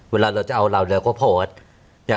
เวลาเราจะเอาเราเราก็โพสต์